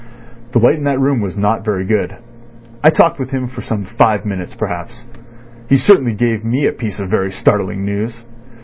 The light in that room was not very good. I talked with him for some five minutes perhaps. He certainly gave me a piece of very startling news.